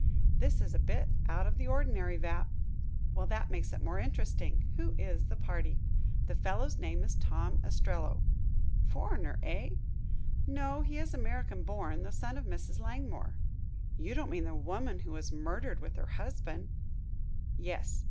"This is a bit out of the ordinary, Vapp." "Well, that makes it more interesting. Who is the party?" "The fellow's name is Tom Ostrello." "Foreigner, eh?" "No, he is American born the son of Mrs. Langmore." "You don't mean the woman who was murdered with her husband?" "Yes.